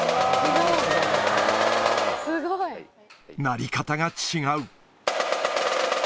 鳴り方が違う。